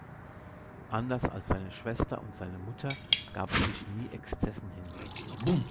Anders als seine Schwester und seine Mutter gab er sich nie Exzessen hin.